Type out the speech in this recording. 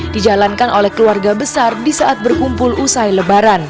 dijalankan oleh keluarga besar di saat berkumpul usai lebaran